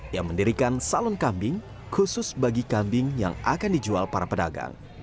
yang mendirikan salon kambing khusus bagi kambing yang akan dijual para pedagang